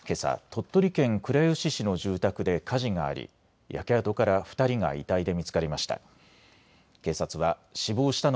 鳥取県倉吉市の住宅で火事があり焼け跡から２人が遺体で見つかりました。